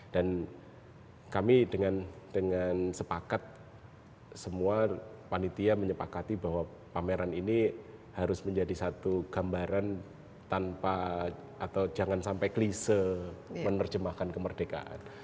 dan kami dengan sepakat semua panitia menyepakati bahwa pameran ini harus menjadi satu gambaran tanpa atau jangan sampai klise menerjemahkan kemerdekaan